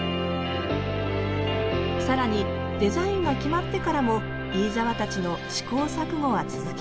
更にデザインが決まってからも飯沢たちの試行錯誤は続きます